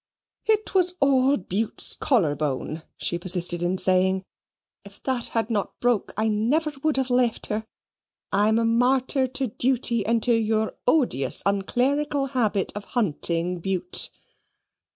"It was all Bute's collar bone," she persisted in saying; "if that had not broke, I never would have left her. I am a martyr to duty and to your odious unclerical habit of hunting, Bute."